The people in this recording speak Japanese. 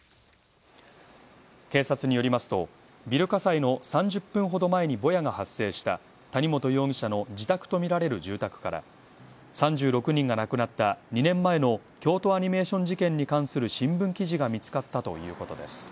警察によりますと、ビル火災の３０分ほど前にぼやが発生した谷本容疑者の自宅とみられる住宅から３６人が亡くなった２年前の京都アニメーション事件に関する新聞記事が見つかったということです。